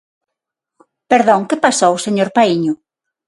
Perdón, ¿que pasou, señor Paíño?